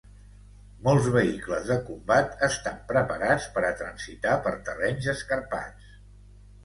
Molts Vehicles de Combat estan preparats per a transitar per terrenys escarpats.